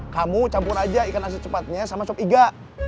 kamu campur aja ikan asin sepatnya sama sop iga